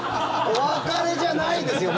お別れじゃないですよ！